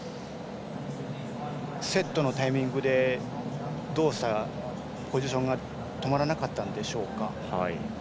セットのタイミングで動作、ポジションが止まらなかったんでしょうか。